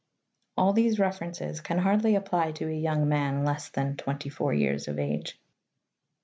All these references can hardly apply to a young man less than twenty four years of age.